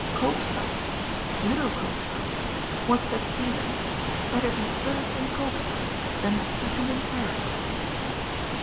Koopstad ! Little Koopstad? What said Caesar? * Better be first in Koopstad than second in Paris,' he said.